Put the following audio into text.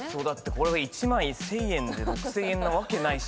これが１枚１，０００円で６，０００円なわけないし。